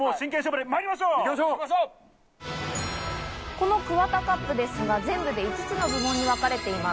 このＫＵＷＡＴＡＣＵＰですが、全部で５つの部門にわかれています。